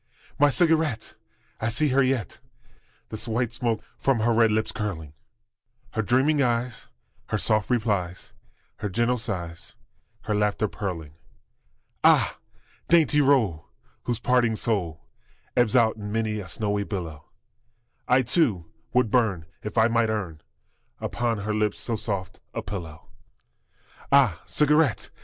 My cigarette! I see her yet, The white smoke from her red lips curling, Her dreaming eyes, her soft replies, Her gentle sighs, her laughter purling! Ah, dainty roll, whose parting soul Ebbs out in many a snowy billow, I, too, would burn if I might earn Upon her lips so soft a pillow! Ah, cigarette!